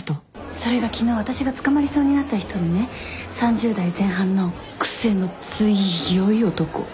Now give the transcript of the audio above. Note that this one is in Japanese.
それが昨日私が捕まりそうになった人でね３０代前半の癖の強い男。